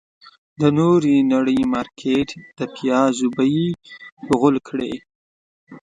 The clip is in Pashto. د نورې نړۍ مارکيټ د پيازو بيې غول کړې.